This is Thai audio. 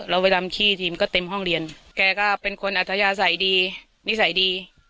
เวลาดำขี้ทีมก็เต็มห้องเรียนแกก็เป็นคนอัธยาศัยดีนิสัยดี